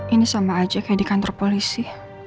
ini sama aja kayak di kantor polisi